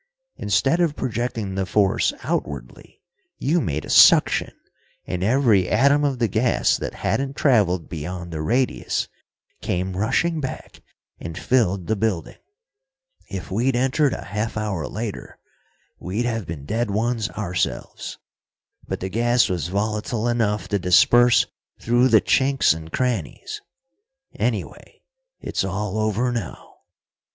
Instead of projecting the force outwardly, you made a suction, and every atom of the gas that hadn't travelled beyond the radius came rushing back and filled the building. If we'd entered a half hour later, we'd have been dead ones ourselves, but the gas was volatile enough to disperse through the chinks and crannies. Anyway, it's all over now."